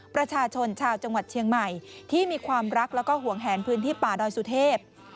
ประชาชนชาวจังหวัดเชียงใหม่ที่มีความรักแล้วก็ห่วงแหนพื้นที่ป่าดอยสุเทพ